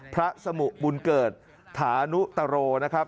สมุบุญเกิดฐานุตโรนะครับ